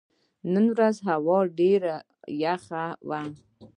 نن ورځ هوا ډېره یخه وه.